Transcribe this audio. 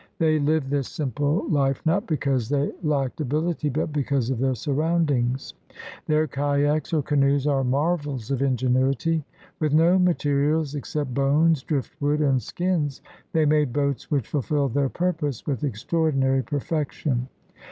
They lived this simple life not because they lacked ability but because of their surroundings. Their kayaks or canoes are marvels of ingenuity. With no materials except bones, driftwood, and skins they made boats which fulfilled their purpose with extraordinary perfection.